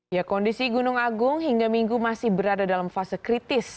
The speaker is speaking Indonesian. ya kondisi gunung agung hingga minggu masih berada dalam fase kritis